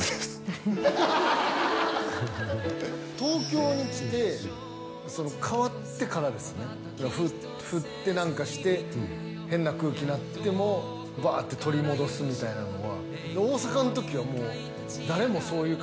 東京に来て変わってからですね振って何かして変な空気なってもバーって取り戻すみたいなのは大阪の時はもう誰もそういう感じで振らないし